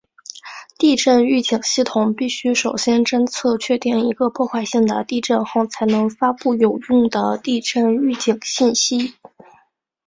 地震预警系统必须首先侦测确定一个破坏性的地震后才能发布有用的地震预警信息。